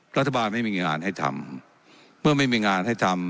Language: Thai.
ไม่มีงานให้ทำเมื่อไม่มีงานให้ทำ